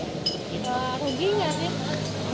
nggak rugi nggak sih